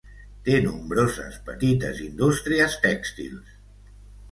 Té nombroses petites indústries tèxtils.